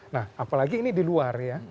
nah apalagi ini di luar ya